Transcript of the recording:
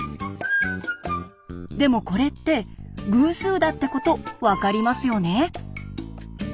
でもこれって偶数だってこと分かりますよね。